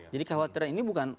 jadi kekhawatiran ini bukan